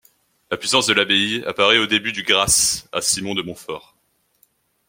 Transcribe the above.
La puissance de l'abbaye apparaît au début du grâce à Simon de Montfort.